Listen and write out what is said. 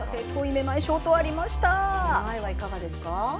めまいはいかがですか？